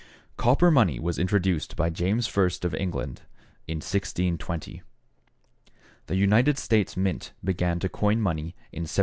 Copper money was introduced by James I of England in 1620. The United States mint began to coin money in 1793.